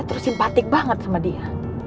terus simpatik banget sama dia